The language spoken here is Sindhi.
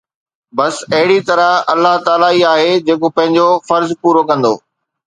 بس اهڙي طرح الله تعاليٰ ئي آهي جيڪو پنهنجو فرض پورو ڪندو